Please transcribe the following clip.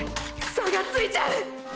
差がついちゃう！！